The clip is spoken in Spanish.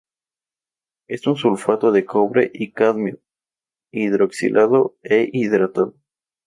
Es un sulfato de cobre y cadmio, hidroxilado e hidratado.